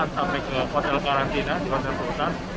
sampai ke hotel karantina di hotel rutan